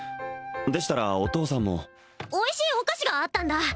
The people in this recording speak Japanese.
でしたらお父さんもおいしいお菓子があったんだ